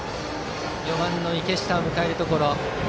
４番の池下を迎えるところ。